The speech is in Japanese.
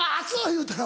言うたら？